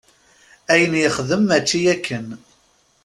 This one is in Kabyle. Ayen yexdem mačči akken.